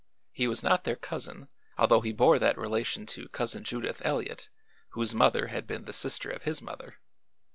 He was not their cousin, although he bore that relation to Cousin Judith Eliot, whose mother had been the sister of his mother.